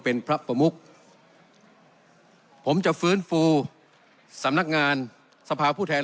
เป็นพระประมุกผมจะฟื้นฟูสำนักงานสภาผู้แทน